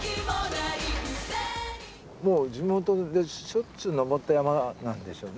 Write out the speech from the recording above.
もう地元でしょっちゅう登った山なんですよね？